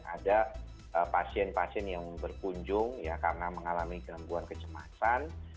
ada pasien pasien yang berkunjung ya karena mengalami gangguan kecemasan